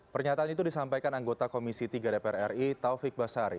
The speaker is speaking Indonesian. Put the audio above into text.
pernyataan itu disampaikan anggota komisi tiga dpr ri taufik basari